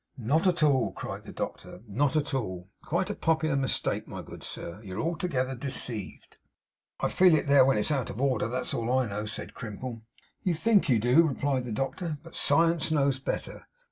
'Not at all,' cried the doctor; 'not at all. Quite a popular mistake! My good sir, you're altogether deceived.' 'I feel it there, when it's out of order; that's all I know,' said Crimple. 'You think you do,' replied the doctor; 'but science knows better.